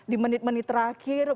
di menit menit terakhir